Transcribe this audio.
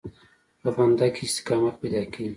په بنده کې استقامت پیدا کېږي.